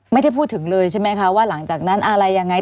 ไม่ได้พูดถึงเลยใช่ไหมคะว่าหลังจากนั้นอะไรยังไง